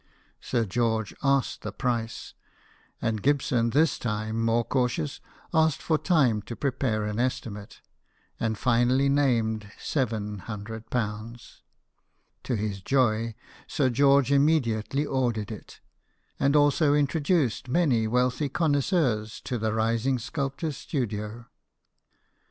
Sir George asked the price, and Gibson, this time more cautious, asked for time to prepare an estimate, and finally named ^700. To his joy, Sir George immediately ordered it, and also introduced many wealthy connoisseurs to the rising sculptor's studio.